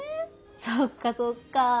そっかそっか。